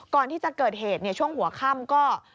ก่อนที่จะเกิดเหตุช่วงหัวค่ำก็